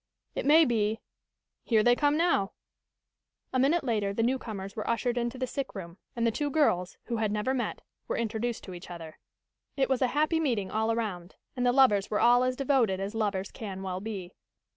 It may be Here they come, now!" A minute later the newcomers were ushered into the sick room, and the two girls, who had never met, were introduced to each other. It was a happy meeting all around, and the lovers were all as devoted as lovers can well be.